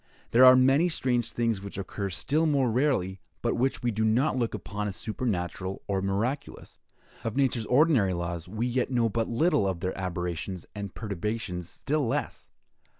There are many strange things which occur still more rarely, but which we do not look upon as supernatural or miraculous. Of nature's ordinary laws, we yet know but little; of their aberrations and perturbations, still less.